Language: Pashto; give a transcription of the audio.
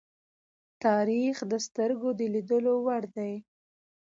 تاریخ د سترگو د لیدلو وړ دی.